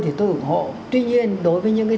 thì tôi ủng hộ tuy nhiên đối với những cái